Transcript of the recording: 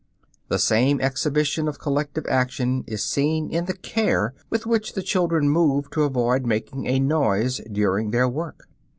The same exhibition of collective action is seen in the care with which the children move to avoid making a noise during their work.